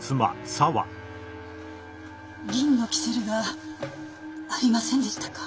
銀のキセルがありませんでしたか？